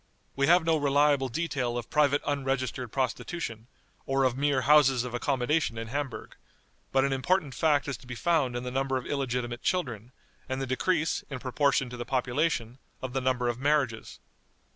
We have no reliable detail of private unregistered prostitution, or of mere houses of accommodation in Hamburg; but an important fact is to be found in the number of illegitimate children, and the decrease, in proportion to the population, of the number of marriages.